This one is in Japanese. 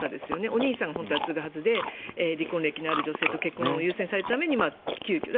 お兄さんが本当は継ぐはずで離婚歴のある女性との結婚を優先されるために急きょ。